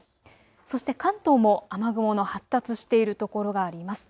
そして関東も雨雲の発達しているところがあります。